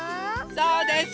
そうです。